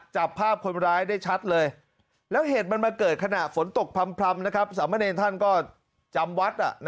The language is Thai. จับภาพคนร้ายได้ชัดเลยแล้วเหตุมันมาเกิดขณะฝนตกพร่ำสามเณรท่านก็จำวัด